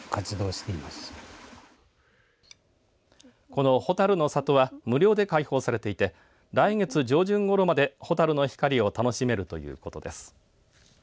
このホタルの里は無料で開放されていて来月上旬ごろまでホタルの光を楽しめるということです。